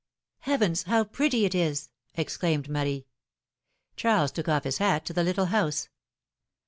Heavens ! how pretty it is exclaimed Marie. Charles took off his hat to the little house.